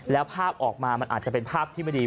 แล้วภาพออกมามันอาจจะเป็นภาพที่ไม่ดี